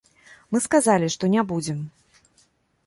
Мы сказалі, што не будзем.